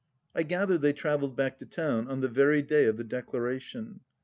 I gather they travelled back to town on the very day of the Declara tion.